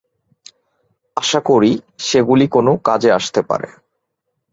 আশা করি সেগুলি কোন কাজে আসতে পারে।